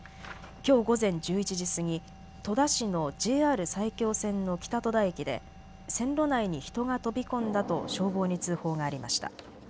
きょう午前１１時過ぎ戸田市のＪＲ埼京線の北戸田駅で線路内に人が飛び込んだと消防に通報がありました。